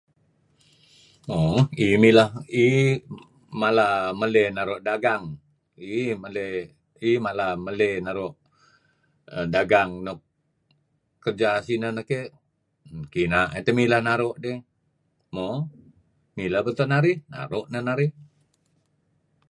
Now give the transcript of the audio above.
Moo iih mileh iih mala maley naru' dagang iih maley mala maley naru' dagang nuk kerja sineh neh keh Kina' ayu' teh mileh naru' dih. Mo, mileh beto' narih naru' neh narih.